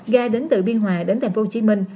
ga đến từ biên hòa đến thành phố hồ chí minh